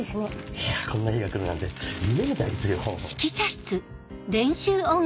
いやこんな日が来るなんて夢みたいですよ。